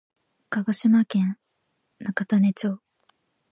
鹿児島県中種子町